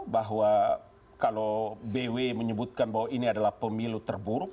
bahwa kalau bw menyebutkan bahwa ini adalah pemilu terburuk